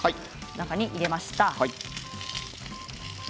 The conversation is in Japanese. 隣に入れました。